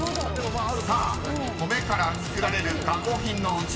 ［さあ米から作られる加工品のウチワケ］